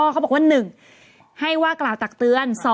เขาบอกว่า๑ให้ว่ากล่าวตักเตือน